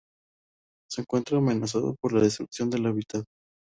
Se encuentra amenazado por la destrucción del hábitat.